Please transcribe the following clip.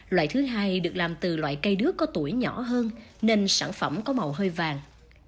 loại thứ hai được làm từ loại cây đước có tuổi nhỏ hơn nên sản phẩm có màu hơi vàng